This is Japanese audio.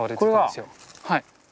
はい。